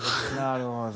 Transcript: なるほど。